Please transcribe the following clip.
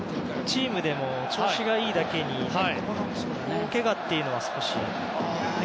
チームでも調子がいいだけに大けがというのは少し。